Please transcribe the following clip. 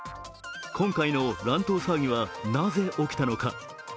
今回の乱闘騒ぎは、なぜ起きたのか。